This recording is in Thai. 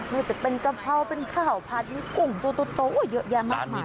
นอกจากเป็นกะเพาเป็นข้าวผักกลุ่มตัวเยอะแยะมากมาก